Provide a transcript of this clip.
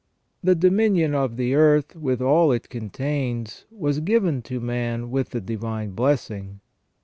The dominion of the earth with all it contains was given to man with the divine blessing.